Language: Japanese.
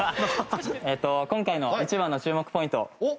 今回の一番の注目ポイント。